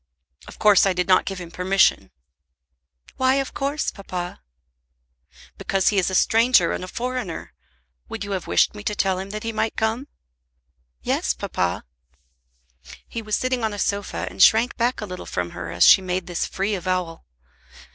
"Of course I did not give him permission." "Why of course, papa?" "Because he is a stranger and a foreigner. Would you have wished me to tell him that he might come?" "Yes, papa." He was sitting on a sofa and shrank back a little from her as she made this free avowal.